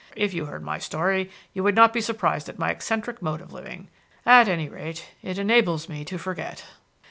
If you heard my story, you would not be surprised at my eccentric mode of living; at any rate, it enables me to forget."